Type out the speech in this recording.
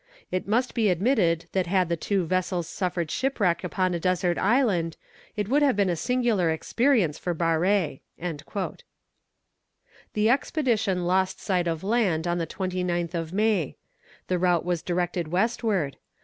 It must be admitted that had the two vessels suffered shipwreck upon a desert island, it would have been a singular experience for Barré." The expedition lost sight of land on the 29th of May. The route was directed westward.